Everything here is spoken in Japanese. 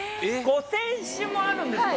５０００種もあるんですか？